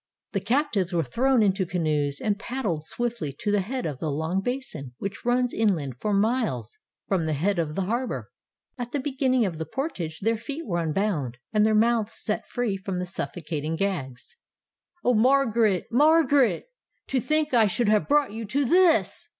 The captives were thrown into canoes and paddled swiftly to the head of the long basin which runs inland for miles from the head of the harbor. At the beginning of the portage their feet were unbound, and their mouths set free from the suffocating gags. "Oh, Margaret! Margaret! To think I should have brought you to this!"